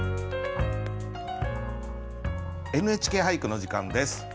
「ＮＨＫ俳句」の時間です。